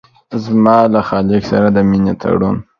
زما له خالق سره د مينې تړون